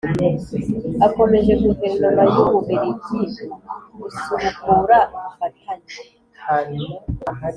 akomeje guverinoma y'u bubiligi gusubukura ubufatanye